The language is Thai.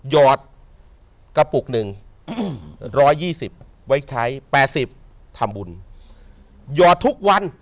ยอดกระปุกหนึ่งร้อยยี่สิบไว้ใช้แปดสิบทำบุญยอดทุกวัน